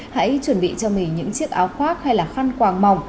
hãy chuẩn bị cho mình những chiếc áo khoác hay là khăn quàng mỏng